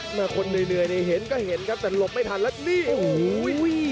คนเหนื่อยนี่เห็นก็เห็นครับแต่หลบไม่ทันแล้วนี่โอ้โห